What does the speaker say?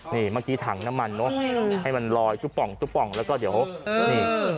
นี่เมื่อกี้ถังน้ำมันเนอะให้มันลอยตุ๊ป่องตุ๊ป่องแล้วก็เดี๋ยวนี่